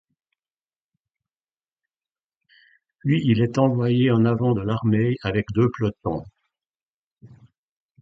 Puis il est envoyé en avant de l'armée, avec deux pelotons.